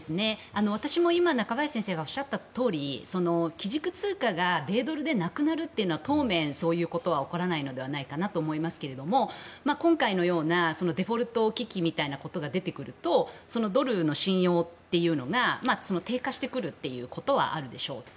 私も今中林先生がおっしゃったとおり基軸通貨が米ドルでなくなるというのは当面、そういうことは起こらないのではないかなと思いますけども今回のようなデフォルト危機みたいなことが出てくるとそのドルの信用っていうのが低下してくるということはあるでしょう。